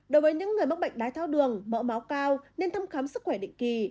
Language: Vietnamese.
đối với những người mắc bệnh đái tháo đường mẫu máu cao nên thăm khám sức khỏe định kỳ